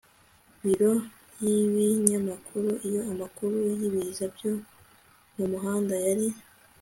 biro y'ibinyamakuru iyo amakuru yibiza byo mumuhanda yari